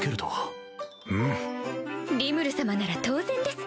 リムル様なら当然です！